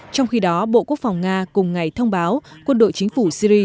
trong khi đó bộ quốc phòng nga cùng ngày thông báo quân đội chính phủ syri